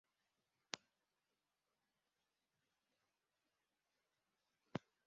Abagabo babiri bicaye hamwe umunwa ufunguye kubwimpamvu itazwi